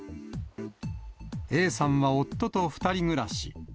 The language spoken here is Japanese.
Ａさんは夫と２人暮らし。